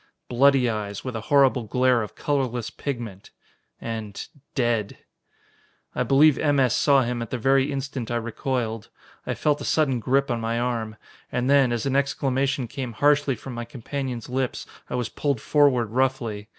Bloody eyes, with a horrible glare of colorless pigment. And dead. I believe M. S. saw him at the very instant I recoiled. I felt a sudden grip on my arm; and then, as an exclamation came harshly from my companion's lips, I was pulled forward roughly.